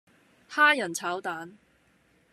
蝦仁炒蛋